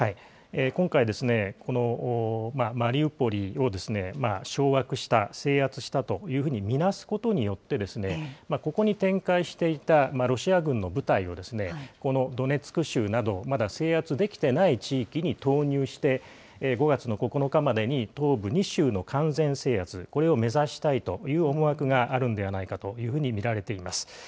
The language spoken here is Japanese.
今回、このマリウポリを掌握した、制圧したというふうにみなすことによって、ここに展開していたロシア軍の部隊を、このドネツク州などまだ制圧できてない地域に投入して、５月の９日までに東部２州の完全制圧、これを目指したいという思惑があるんではないかというふうに見られています。